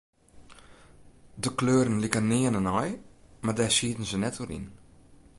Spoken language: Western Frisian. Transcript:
De kleuren liken nearne nei, mar dêr sieten se net oer yn.